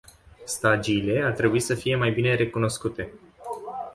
Stagiile ar trebui să fie mai bine recunoscute.